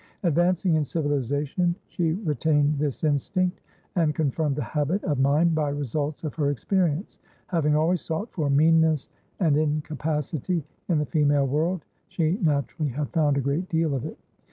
Advancing in civilisation, she retained this instinct, and confirmed the habit of mind by results of her experience; having always sought for meanness and incapacity in the female world, she naturally had found a great deal of it.